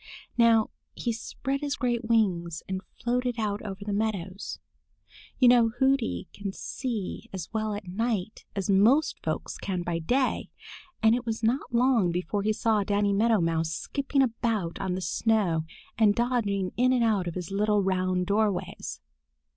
Now he spread his great wings and floated out over the meadows. You know Hooty can see as well at night as most folks can by day, and it was not long before he saw Danny Meadow Mouse skipping about on the snow and dodging in and out of his little round doorways.